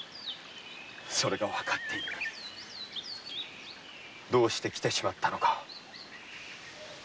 それがわかっていてどうして来てしまったのか。